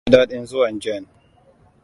Na ji dadin zuwan Jane.